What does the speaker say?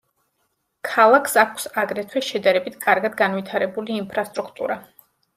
ქალაქს აქვს აგრეთვე შედარებით კარგად განვითარებული ინფრასტრუქტურა.